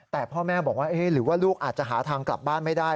แต่พ่อแม่บอกว่าหรือว่าลูกอาจจะหาทางกลับบ้านไม่ได้